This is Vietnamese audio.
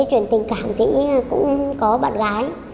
về cái chuyện tình cảm thì cũng có bạn gái